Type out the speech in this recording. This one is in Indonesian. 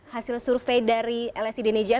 hasil survei dari lsi dini jai